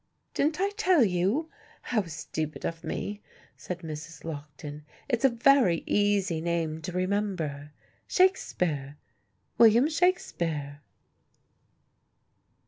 "Didn't I tell you? How stupid of me!" said Mrs. Lockton. "It's a very easy name to remember: Shakespeare, William Shakespeare."